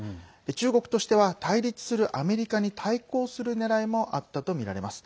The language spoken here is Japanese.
中国としては対立するアメリカに対抗するねらいもあったとみられます。